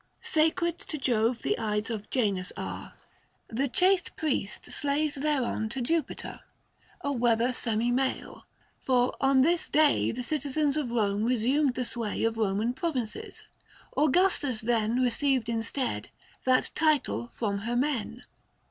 Sacred to Jove the Ides of Janus are : The chaste priest slays thereon to Jupiter 21 THE FASTI. Book I. A wether semi male : for on this day The citizens of Roine resumed the sway Of Koman provinces. Augustus then, 630 Keceived instead, that title from her men.